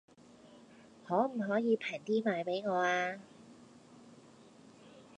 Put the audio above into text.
可唔可以平啲賣俾我呀